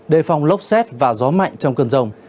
đề phòng lốc xét và gió mạnh trong cơn rông